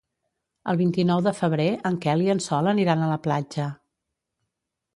El vint-i-nou de febrer en Quel i en Sol aniran a la platja.